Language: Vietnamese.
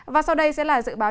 và sau đây sẽ là dự báo